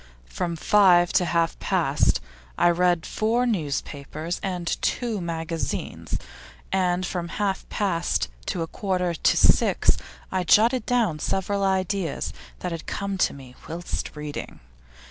From five to half past I read four newspapers and two magazines, and from half past to a quarter to six I jotted down several ideas that had come to me whilst reading.